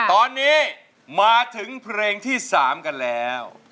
ตอนนี้มาถึงเพลงที่๓กันแล้ว